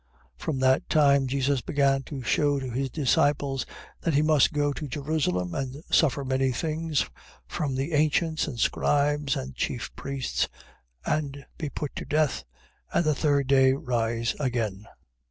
16:21. From that time Jesus began to shew to his disciples, that he must go to Jerusalem, and suffer many things from the ancients and scribes and chief priests, and be put to death, and the third day rise again.